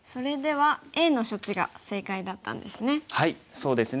はいそうですね。